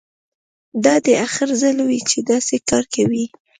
دا دې اخر ځل وي چې داسې کار کوې